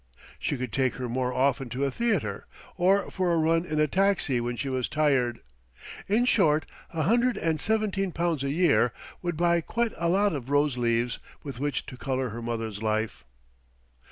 She could take her more often to a theatre, or for a run in a taxi when she was tired. In short, a hundred and seventeen pounds a year would buy quite a lot of rose leaves with which to colour her mother's life.